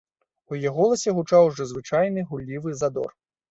У яе голасе гучаў ужо звычайны гуллівы задор.